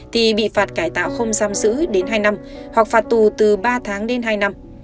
thì bị phạt cải tạo không giam giữ đến hai năm hoặc phạt tù từ ba tháng đến hai năm